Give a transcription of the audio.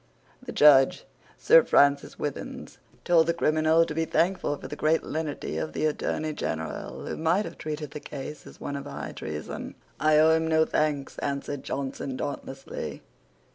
The Judge, Sir Francis Withins, told the criminal to be thankful for the great lenity of the Attorney General, who might have treated the case as one of high treason. "I owe him no thanks," answered Johnson, dauntlessly.